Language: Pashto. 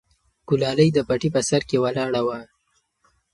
ګلالۍ د پټي په سر کې ولاړه وه.